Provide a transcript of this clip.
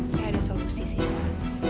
saya ada solusi sih pak